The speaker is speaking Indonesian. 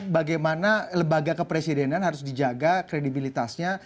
bagaimana lembaga kepresidenan harus dijaga kredibilitasnya